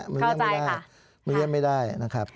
ไม่เลี่ยมไม่ได้